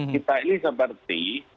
kita ini seperti